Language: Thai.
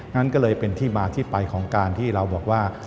งั้นก็เลยเป็นที่มาที่ไปของการที่เราบอกว่า